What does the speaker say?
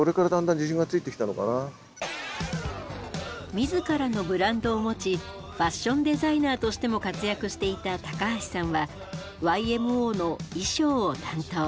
自らのブランドを持ちファッションデザイナーとしても活躍していた高橋さんはＹＭＯの衣装を担当。